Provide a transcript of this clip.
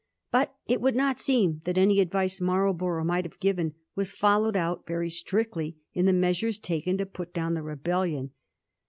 But it would not seem that any advice Marlborough might have given was followed out very strictly in the measures taken to put down the rebellion.